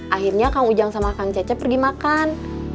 akhirnya kang ujang sama kang cecep pergi makan